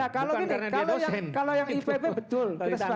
nah kalau gini kalau yang ipb betul